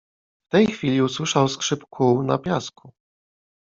W tej chwili usłyszał skrzyp kół na piasku.